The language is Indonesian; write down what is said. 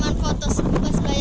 biasanya dapat berapa sehari